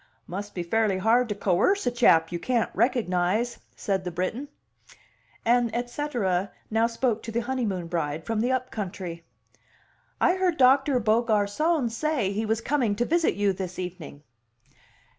"Must be fairly hard to coerce a chap you can't recognize," said the Briton. An et cetera now spoke to the honeymoon bride from the up country: "I heard Doctor Beaugarcon say he was coming to visit you this evening."